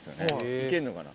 いけんのかな？